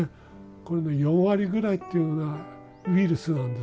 これの４割ぐらいっていうのはウイルスなんですね。